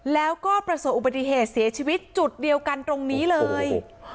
แล้วก็ประสบอุบัติเหตุเสียชีวิตจุดเดียวกันตรงนี้เลย